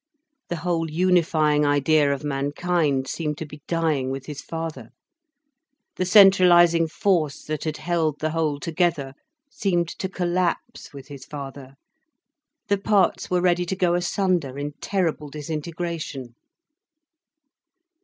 The whole unifying idea of mankind seemed to be dying with his father, the centralising force that had held the whole together seemed to collapse with his father, the parts were ready to go asunder in terrible disintegration.